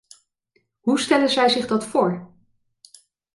Hoe stellen zij zich dat voor?